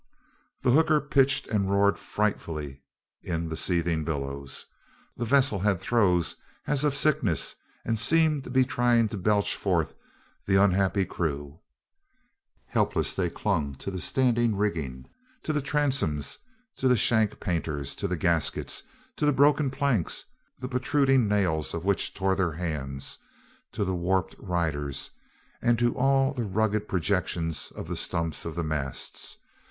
The hooker pitched and roared frightfully in the seething billows. The vessel had throes as of sickness, and seemed to be trying to belch forth the unhappy crew. Helpless they clung to the standing rigging, to the transoms, to the shank painters, to the gaskets, to the broken planks, the protruding nails of which tore their hands, to the warped riders, and to all the rugged projections of the stumps of the masts.